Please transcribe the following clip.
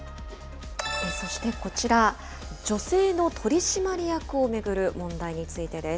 そしてこちら、女性の取締役を巡る問題についてです。